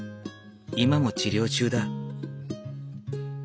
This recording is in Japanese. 今も治療中だ。